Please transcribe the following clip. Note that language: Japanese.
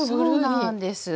そうなんです。